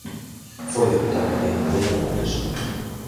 Foi deputada de En Marea no Congreso.